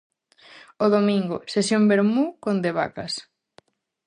O domingo, sesión vermú con De Vacas.